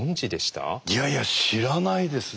いやいや知らないです